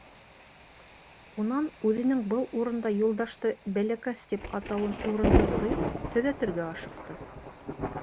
Унан, үҙенең был урында Юлдашты «бәләкәс» тип атауын урынһыҙ тойоп, төҙәтергә ашыҡты.